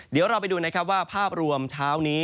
เดี๋ยวเราไปดูนะครับว่าภาพรวมเช้านี้